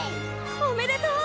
おめでとう！